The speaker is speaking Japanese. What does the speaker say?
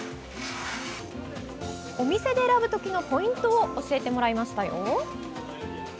お店で選ぶときのポイントを教えてもらいましたよ。